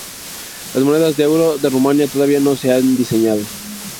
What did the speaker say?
Las monedas de euro de Rumania todavía no se han diseñado.